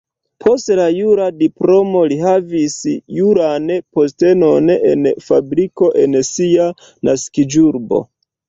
Post la jura diplomo li havis juran postenon en fabriko en sia naskiĝurbo.